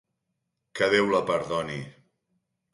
Que Déu la perdoni.